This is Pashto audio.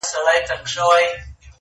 • په کتاب کي چي مي هره شپه لوستله -